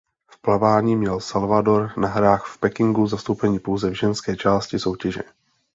V plavání měl Salvador na hrách v Pekingu zastoupení pouze v ženské části soutěže.